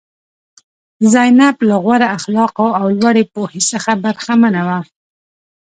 زینب له غوره اخلاقو او لوړې پوهې څخه برخمنه وه.